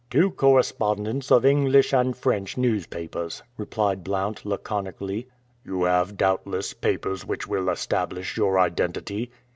"Two correspondents of English and French newspapers," replied Blount laconically. "You have, doubtless, papers which will establish your identity?"